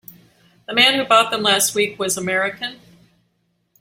The man who bought them last week was American.